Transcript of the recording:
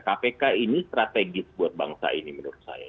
kpk ini strategis buat bangsa ini menurut saya